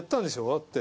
だって。